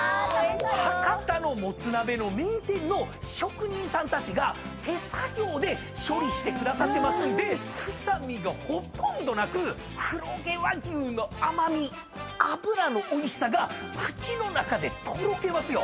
博多のもつ鍋の名店の職人さんたちが手作業で処理してくださってますんで臭みがほとんどなく黒毛和牛の甘味脂のおいしさが口の中でとろけますよ。